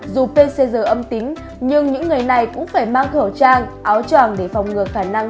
dù pcr âm tính nhưng những người này cũng phải mang khẩu trang áo tràng để phòng ngừa khả năng